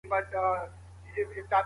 د پټو وړتیاوو وده د روزنې اصلي هدف دی.